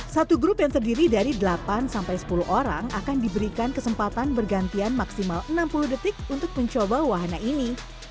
satu grup yang terdiri dari delapan sampai sepuluh orang akan diberikan kesempatan bergantian maksimal enam puluh detik untuk mencoba wahana ini